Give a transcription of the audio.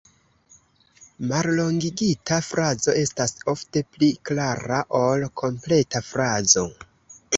Mallongigita frazo estas ofte pli klara ol kompleta frazo.